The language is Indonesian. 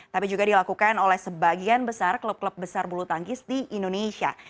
tapi juga dilakukan oleh sebagian besar klub klub besar bulu tangkis di indonesia